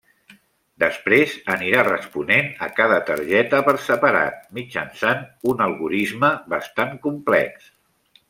Després anirà responent a cada targeta per separat mitjançant un algorisme bastant complex.